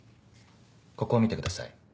ここを見てください。